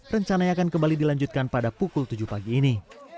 rencananya akan kembali dilanjutkan pada pukul tujuh pagi ini